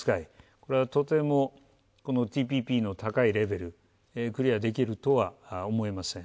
これはとてもＴＰＰの高いレベルをクリアできるとは思えません。